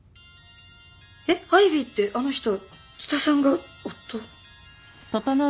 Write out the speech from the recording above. えっアイビーってあの人蔦さんが夫？